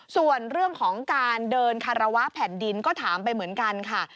ส่วนเรื่องของการเดินคารวะแผ่นดินก็ถามไปเหมือนกันค่ะ